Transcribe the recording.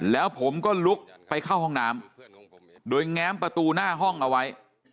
แล้วผมก็ลุกไปเข้าห้องน้ำโดยแง้มประตูหน้าห้องเอาไว้